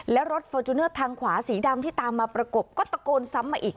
และรถฟอร์จูเนอร์ทางขวาสีดำที่ตามมาประกบก็ตะโกนซ้ำมาอีก